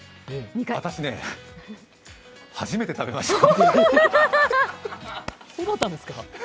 私、初めて食べました。